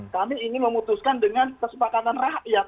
kami ingin memutuskan dengan kesepakatan rakyat